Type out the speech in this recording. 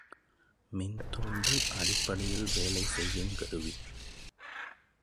மின்தூண்டல் அடிப்படையில் வேலை செய்யுங் கருவி.